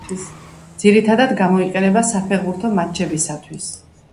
ძირითადად გამოიყენება საფეხბურთო მატჩებისათვის.